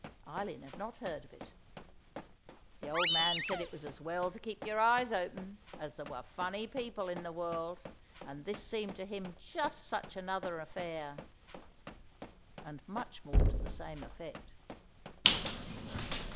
Eileen had not heard of it. The old man said it was as well to keep your eyes open, as there were funny people in the world, and this seemed to him just such another affair. And much more to the same effect.